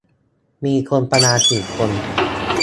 มีคนประมาณกี่คน